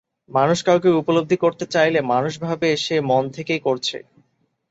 মানুষ কাউকে উপলব্ধি করতে চাইলে মানুষ ভাবে সে মন থেকেই করছে।